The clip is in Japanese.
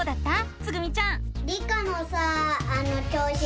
つぐみちゃん。